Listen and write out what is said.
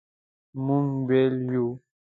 مونږ بیل یو